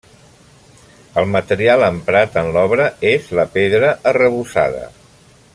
El material emprat en l'obra és la pedra arrebossada.